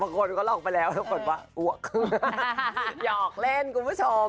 บางคนก็ลองไปแล้วบางคนว่าอวก